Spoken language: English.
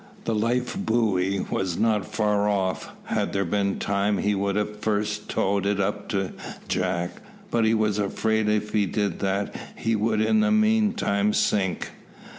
The life buoy was not far off. Had there been time he would have first towed it up to Jack, but he was afraid if he did that he would in the meantime sink.